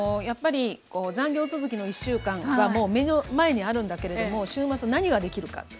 やっぱり残業続きの１週間がもう目の前にあるんだけれども週末何ができるか。